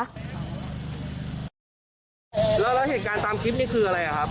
แล้วเหตุการณ์ตามคลิปนี้คืออะไรอ่ะครับ